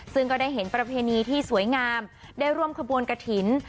ซึ่งก็ได้เห็นประเพณีที่สวยงามได้ร่วมขบวนกระถิ่น